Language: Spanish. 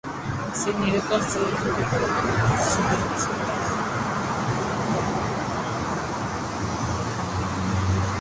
Su nido lo construye con residuos en descomposición y hojas secas.